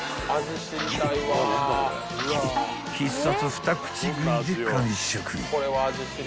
［必殺２口食いで完食］